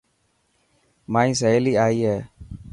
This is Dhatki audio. مائي سهيلي آئي هي.